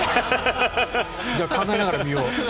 じゃあ考えながら見よう。